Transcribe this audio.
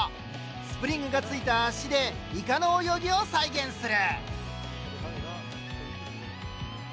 スプリングがついた脚でイカの泳ぎを再現する。